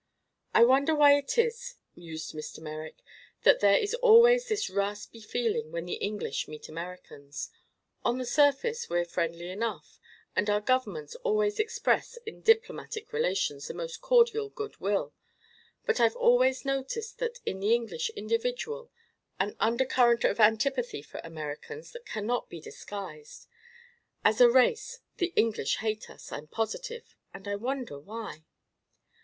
"I wonder why it is," mused Mr. Merrick, "that there is always this raspy feeling when the English meet Americans. On the surface we're friendly enough and our governments always express in diplomatic relations the most cordial good will; but I've always noticed in the English individual an undercurrent of antipathy for Americans that cannot be disguised. As a race the English hate us, I'm positive, and I wonder why?"